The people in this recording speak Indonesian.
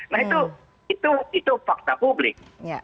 nah itu fakta publik